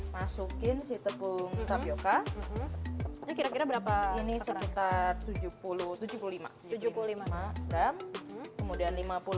masukin si tepung tapioca ini kira kira berapa ini sekitar tujuh puluh tujuh puluh lima gram kemudian lima puluh gram singkong parut ini udah diukur ya sudah lima puluh dan lima puluh gram kelapa parut